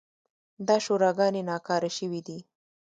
دا شوراګانې ناکاره شوې دي.